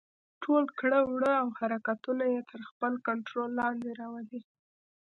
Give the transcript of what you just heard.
ټول کړه وړه او حرکتونه يې تر خپل کنټرول لاندې راولي.